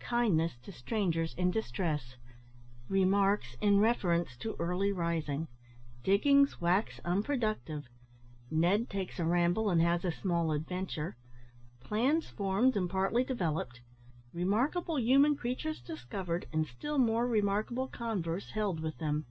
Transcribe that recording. KINDNESS TO STRANGERS IN DISTRESS REMARKS IN REFERENCE TO EARLY RISING DIGGINGS WAX UNPRODUCTIVE NED TAKES A RAMBLE, AND HAS A SMALL ADVENTURE PLANS FORMED AND PARTLY DEVELOPED REMARKABLE HUMAN CREATURES DISCOVERED, AND STILL MORE REMARKABLE CONVERSE HELD WITH THEM.